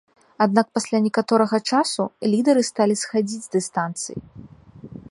Аднак пасля некаторага часу, лідары сталі схадзіць з дыстанцыі.